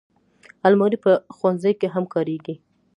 الماري په ښوونځي کې هم کارېږي